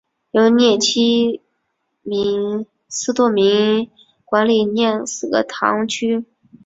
由廿七名司铎名管理廿四个堂区。